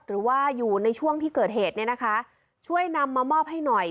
หรือว่าอยู่ในช่วงที่เกิดเหตุเนี่ยนะคะช่วยนำมามอบให้หน่อย